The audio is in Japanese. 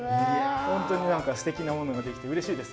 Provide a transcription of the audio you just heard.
本当にすてきなものができてうれしいです。